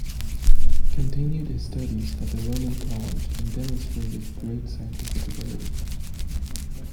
He continued his studies at the Roman College, and demonstrated great scientific ability.